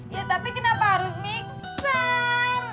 ya tapi kenapa harus mixer